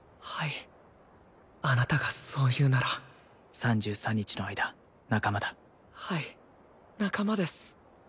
はいあなたがそう言うなら３３日の間仲間だはい仲間です